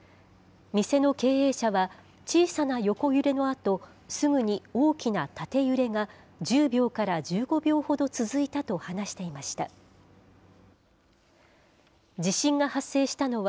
店の経営者は、小さな横揺れのあと、すぐに大きな縦揺れが１０秒から１５秒ほど続いたと話していました。